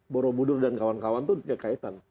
borobudur dan kawan kawan itu punya kaitan